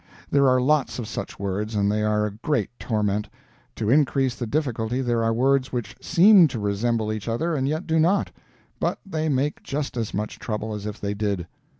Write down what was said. There are lots of such words and they are a great torment. To increase the difficulty there are words which SEEM to resemble each other, and yet do not; but they make just as much trouble as if they did.